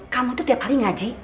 kamu tuh tiap hari ngaji